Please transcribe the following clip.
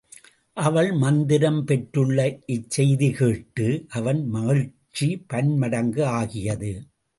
அவள் மந்திரம் பெற்றுள்ள இச்செய்தி கேட்டு அவன் மகிழ்ச்சி பன் மடங்கு ஆகியது.